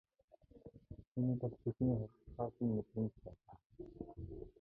Энэ бол тэдний хувьд цоо шинэ мэдрэмж байлаа.